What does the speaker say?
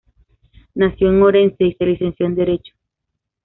Nació en Orense y se licenció en Derecho.